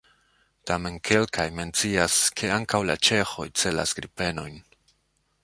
Tamen kelkaj mencias, ke ankaŭ la ĉeĥoj celas Gripenojn.